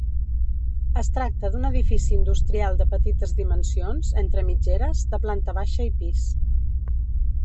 Es tracta d'un edifici industrial de petites dimensions, entre mitgeres, de planta baixa i pis.